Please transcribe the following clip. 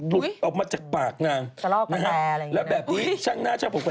หลุดออกมาจากปากนางนะฮะแล้วแบบนี้ช่างหน้าช่างผมก็